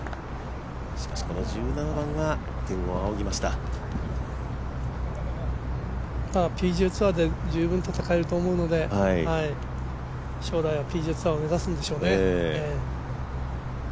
しかし、この１７番は天を仰ぎましたＰＧＡツアーで十分戦えると思うんで将来はＰＧＡツアーを目指すんでしょうね。